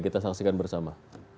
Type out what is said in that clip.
kita saksikan bersama